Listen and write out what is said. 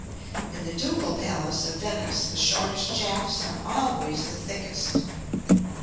In the Ducal Palace of Venice the shortest shafts are always the thickest.